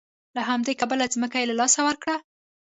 له همدې کبله ځمکه یې له لاسه ورکړه.